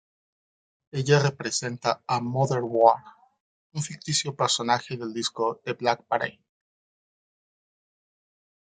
Ella representa a Mother War, un ficticio personaje del disco "The Black Parade".